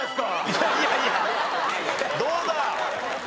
いやいやいやどうだ？